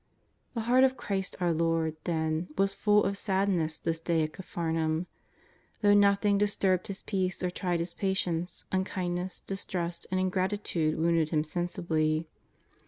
The heart of Christ our Lord, then, was full of sad ness this day at Capharnaum. Though nothing dis turbed His peace or tried His patience, unkindness, distrust and ingratitude wounded Him sensibly.